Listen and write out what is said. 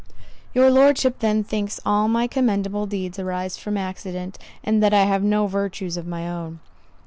"Your Lordship then thinks all my commendable deeds arise from accident, and that I have no virtues of my own."